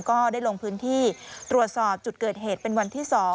ก็ได้ลงพื้นที่ตรวจสอบจุดเกิดเหตุเป็นวันที่๒